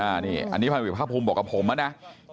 อันนี้พันวิภาคภูมิบอกกับผมนะ